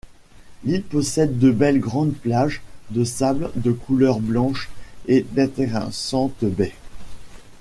L'île possède de belles grandes plages de sable de couleur blanche et d'intéressantes baies.